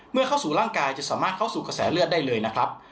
เข้าสู่ร่างกายจะสามารถเข้าสู่กระแสเลือดได้เลยนะครับ